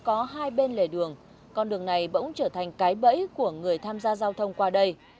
có hai bên lề đường con đường này bỗng trở thành cái bẫy của người tham gia giao thông qua đây